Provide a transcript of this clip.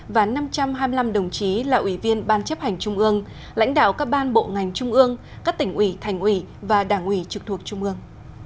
và năm trăm hai mươi năm đồng chí là ủy viên ban chấp hành trung ương lãnh đạo các ban bộ ngành trung ương các tỉnh ủy thành ủy và đảng ủy trực thuộc trung ương